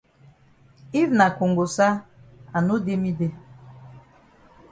If na kongosa I no dey me dey.